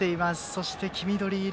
そして、黄緑色。